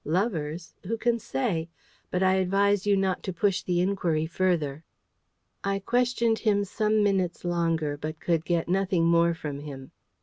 Lovers? who can say? But I advise you not to push the inquiry further." I questioned him some minutes longer, but could get nothing more from him.